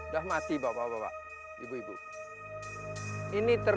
bagaimana cara kita menghapusnya